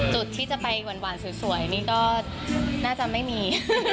จุดที่จะไปหวานสวยนี่ก็น่าจะไม่มี